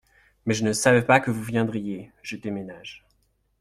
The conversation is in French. Mais je ne savais pas que vous viendriez, je déménage.